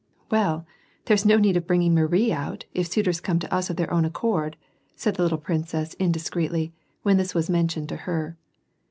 " Well, there's no need of bringing Marie out, if suitors come to us of their own accord," said the little princess indis creetly, when this was mentioned to her.